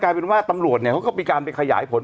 เป็นว่าตำรวจเนี่ยเขาก็มีการไปขยายผล